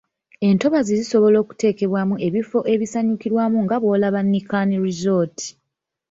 Entobazi zisobola okuteekebwamu ebifo ebisanyukirwamu nga bw’olaba Nican Resort.